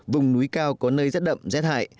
vùng núi cao có nơi rét đậm rét hại